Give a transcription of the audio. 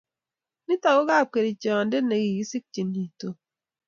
Nito ko kapkerichonde ne kikisikchini Tom